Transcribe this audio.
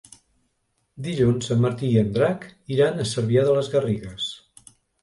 Dilluns en Martí i en Drac iran a Cervià de les Garrigues.